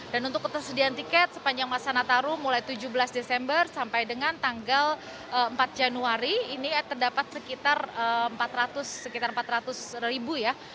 dan untuk ketersediaan tiket sepanjang masa nataru mulai tujuh belas desember sampai dengan tanggal empat januari ini terdapat sekitar empat ratus ribu ya